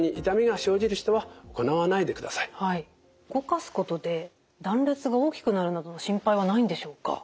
この時点で肩に動かすことで断裂が大きくなるなどの心配はないんでしょうか？